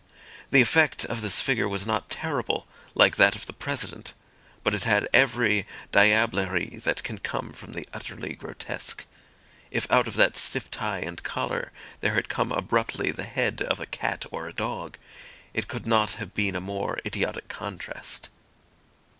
The effect of this figure was not terrible like that of the President, but it had every diablerie that can come from the utterly grotesque. If out of that stiff tie and collar there had come abruptly the head of a cat or a dog, it could not have been a more idiotic contrast.